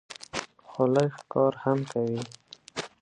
خو لږ کار هم کوي.